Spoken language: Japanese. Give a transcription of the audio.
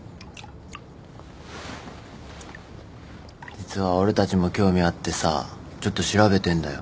実は俺たちも興味あってさちょっと調べてんだよ。